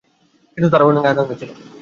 কিন্তু তার অনেক আকাঙ্খা ছিল।